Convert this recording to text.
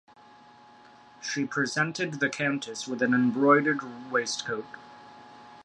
She presented the Countess with an embroidered waistcoat.